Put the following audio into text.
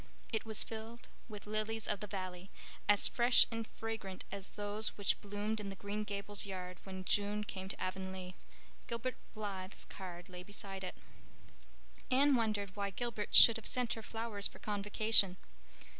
It was filled with lilies of the valley, as fresh and fragrant as those which bloomed in the Green Gables yard when June came to Avonlea. Gilbert Blythe's card lay beside it. Anne wondered why Gilbert should have sent her flowers for Convocation.